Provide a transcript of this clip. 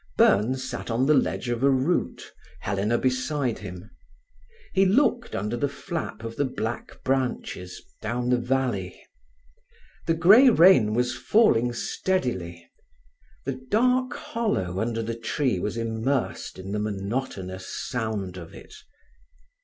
Byrne sat on the ledge of a root, Helena beside him. He looked under the flap of the black branches down the valley. The grey rain was falling steadily; the dark hollow under the tree was immersed in the monotonous sound of it.